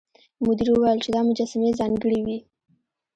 مدیر وویل چې دا مجسمې ځانګړې وې.